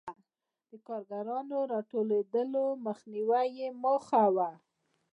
د کارګرانو د راټولېدو مخنیوی یې موخه و.